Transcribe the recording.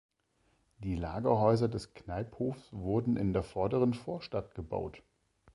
Die Lagerhäuser des Kneiphofs wurden in der Vorderen Vorstadt gebaut.